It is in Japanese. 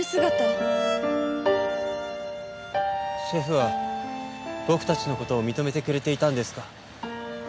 シェフは僕たちの事を認めてくれていたんですか？